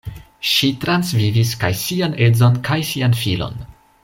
Ŝi transvivis kaj sian edzon kaj sian filon.